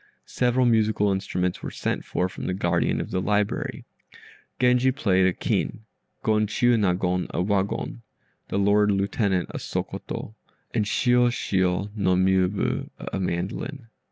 Several musical instruments were sent for from the guardian of the library. Genji played a kin, Gon Chiûnagon a wagon, the Lord Lieutenant a soh koto, and Shiôshiô no Miôbu a mandolin.